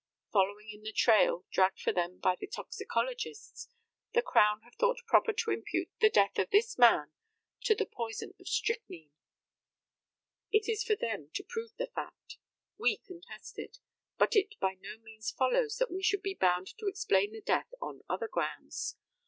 Following in the trail dragged for them by the toxicologists, the Crown have thought proper to impute the death of this man to the poison of strychnine. It is for them to prove the fact. We contest it; but it by no means follows that we should be bound to explain the death on other grounds.